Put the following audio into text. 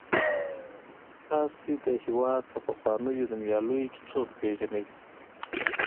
تاسې د هېواد په پخوانیو نومیالیو کې څوک پیژنئ.